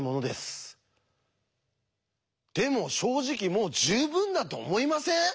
でも正直もう十分だと思いません？